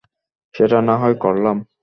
সেটা না হয় করলাম।